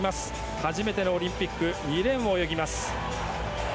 初めてのオリンピック２レーンを泳ぎます。